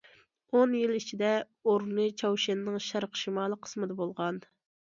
ئون يىل ئىچىدە، ئورنى چاۋشيەننىڭ شەرقىي شىمالى قىسمىدا بولغان.